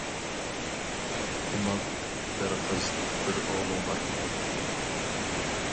ئوماق بىر قىز بىر ئوغلۇڭ بار.